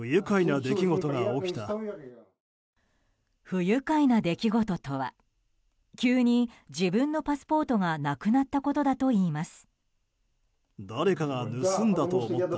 不愉快な出来事とは急に自分のパスポートがなくなったことだといいます。